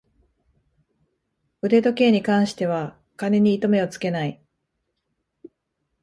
腕時計に関しては金に糸目をつけない